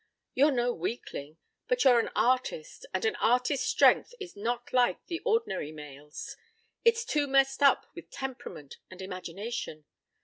You're no weakling, but you're an artist and an artist's strength is not like the ordinary male's. It's too messed up with temperament and imagination.